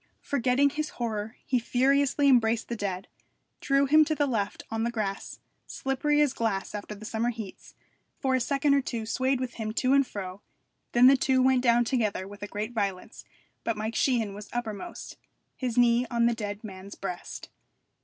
Forgetting his horror he furiously embraced the dead, drew him to the left on the grass, slippery as glass after the summer heats, for a second or two swayed with him to and fro; then the two went down together with a great violence, but Mike Sheehan was uppermost, his knee on the dead man's breast.